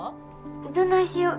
どないしよ。